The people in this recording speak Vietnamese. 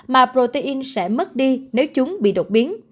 mà protein sẽ mất đi nếu chúng bị đột biến